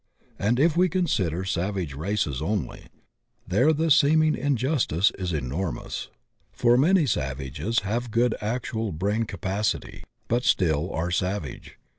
And if we consider savage races only, there the seeming in justice is enormous. For many savages have good actual brain capacity, but still are savage.